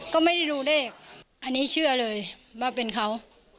ก็ไม่ได้ดูเลขอันนี้เชื่อเลยว่าเป็นเขา